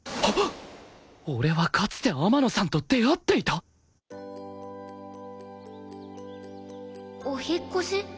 俺はかつて天野さんと出会っていた？お引っ越し？